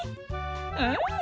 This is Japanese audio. うん。